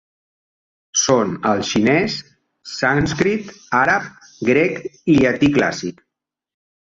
Són el xinès, sànscrit, àrab, grec i llatí clàssic.